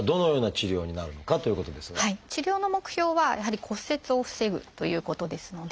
治療の目標はやはり骨折を防ぐということですので。